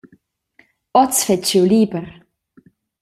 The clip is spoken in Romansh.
Oz fetsch jeu liber.